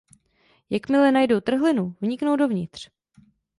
Jakmile najdou trhlinu, vniknou dovnitř.